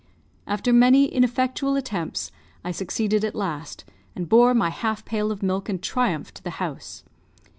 After many ineffectual attempts, I succeeded at last, and bore my half pail of milk in triumph to the house.